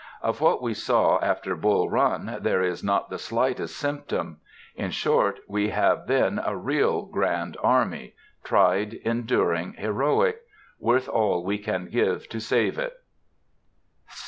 Of what we saw after Bull Run there is not the slightest symptom. In short, we have then a real grand army, tried, enduring, heroic,—worth all we can give to save it.